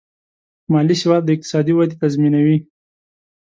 مالي سواد د اقتصادي ودې تضمینوي.